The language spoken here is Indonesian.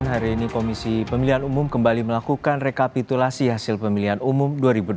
hari ini komisi pemilihan umum kembali melakukan rekapitulasi hasil pemilihan umum dua ribu dua puluh